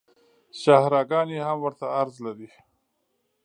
شاهراه ګانې هم ورته عرض لري